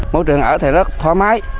môi trường ở thì rất thoải mái